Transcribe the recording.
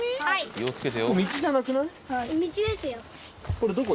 これどこ？